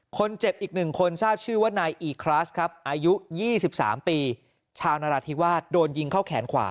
คนเจ็บอีก๑คนทราบชื่อว่านายอีคลาสครับอายุ๒๓ปีชาวนราธิวาสโดนยิงเข้าแขนขวา